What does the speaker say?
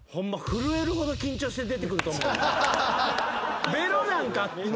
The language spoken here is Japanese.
震えるほど緊張して出てくると思う。